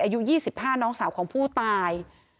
อายุ๒๕น้องสาวของผู้ตาย